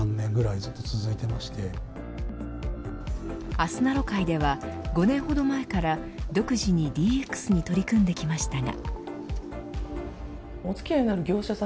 あすなろ会では５年ほど前から独自にＤＸに取り組んできましたが。